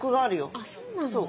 あっそうなんだ。